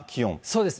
そうです。